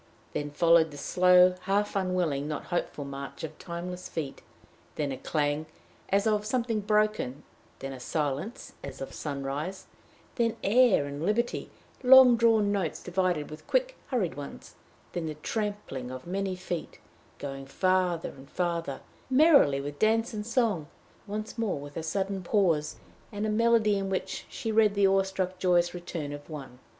Then followed the slow, half unwilling, not hopeful march of timeless feet; then a clang as of something broken, then a silence as of sunrise, then air and liberty long drawn notes divided with quick, hurried ones; then the trampling of many feet, going farther and farther merrily, with dance and song; once more a sudden pause and a melody in which she read the awe struck joyous return of one.